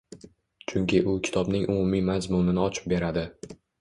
Chunki u kitobning umumiy mazmunini ochib beradi.